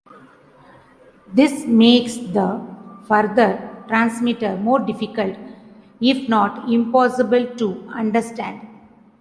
This makes the farther transmitter more difficult, if not impossible, to understand.